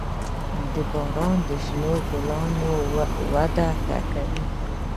• باران د شنو ګلونو وده ښه کوي.